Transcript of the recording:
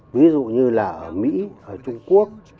ví dụ như là ở mỹ ở trung quốc